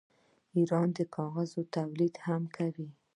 ایران د کاغذ تولید هم کوي.